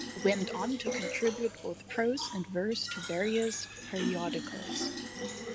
She went on to contribute both prose and verse to various periodicals.